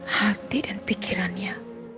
hati dan pikirannya